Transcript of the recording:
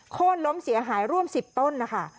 โค้นล้มเสียหายร่วม๑๐ต้นนะคะ